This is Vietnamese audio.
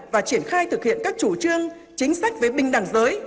và triển khai thực hiện các chủ trương chính sách về bình đẳng giới